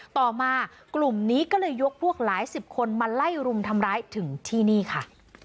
ต่อมากลุ่มนี้ก็เลยยกพวกหลายสิบคนมาไล่รุมทำร้ายถึงที่นี่ค่ะ